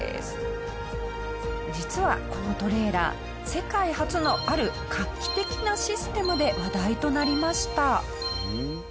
実はこのトレーラー世界初のある画期的なシステムで話題となりました。